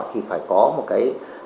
thì phải có một cái